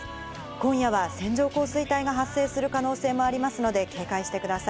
今夜は線状降水帯が発生する可能性もありますので警戒してくださ